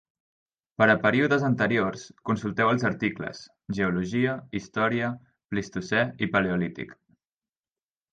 Per a períodes anteriors, consulteu els articles; geologia històrica, Plistocè, i Paleolític.